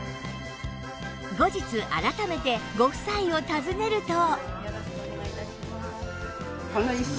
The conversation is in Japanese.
後日改めてご夫妻を訪ねると